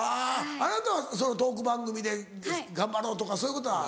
あなたはトーク番組で頑張ろうとかそういうことは？